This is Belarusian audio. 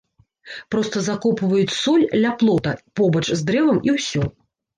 Проста закопваюць соль ля плота побач з дрэвам і ўсё.